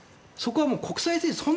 そこは国際政治